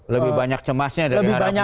lebih banyak cemasnya daripada harapnya